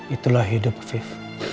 itulah hidup viv